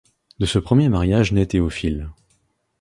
De ce premier mariage naît Théophile.